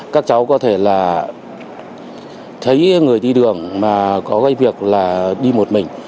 các cháu có thể là thấy người đi đường mà có cái việc là đi một mình